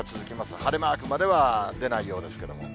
晴れマークまでは出ないようですけれども。